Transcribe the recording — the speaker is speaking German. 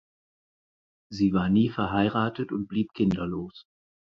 Sie war nie verheiratet und blieb kinderlos.